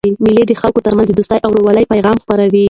مېلې د خلکو ترمنځ د دوستۍ او ورورولۍ پیغام خپروي.